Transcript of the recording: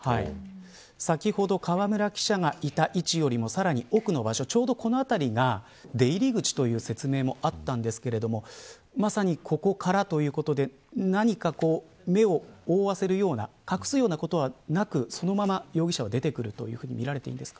先ほど河村記者がいた位置よりもさらに多くの場所ちょうどこの辺りが出入り口という説明もあったんですけれどもまさに、ここからということで何か目を覆わせるような隠すようなことはなくそのまま容疑者は出てくるとみられていいですか。